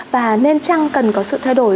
và nên chăng cần có sự thay đổi